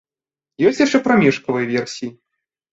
Ёсць яшчэ прамежкавыя версіі.